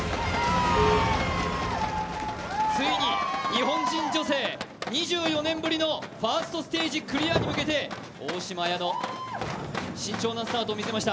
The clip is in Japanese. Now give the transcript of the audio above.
ついに、日本人女性２４年ぶりのファーストステージクリアへ向けて大嶋あやの、慎重なスタートを見せました。